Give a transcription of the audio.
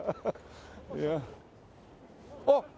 あっ！